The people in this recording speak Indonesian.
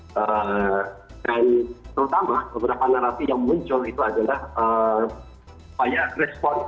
dan terutama beberapa narasi yang muncul itu adalah banyak respon